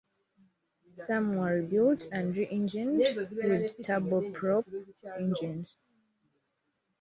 Some were rebuilt and re-engined with turboprop engines.